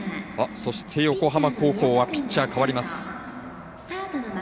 そして、横浜高校はピッチャー代わります。